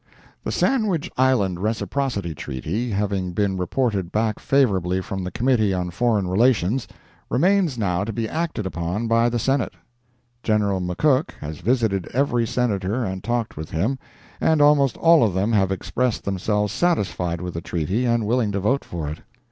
The Sandwich Islands Reciprocity treaty, having been reported back favorably from the Committee on Foreign Relations, remains now to be acted upon by the Senate. General McCook has visited every Senator and talked with him, and almost all of them have expressed themselves satisfied with the treaty and willing to vote for it.